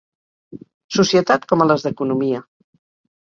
Societat com a les d'Economia.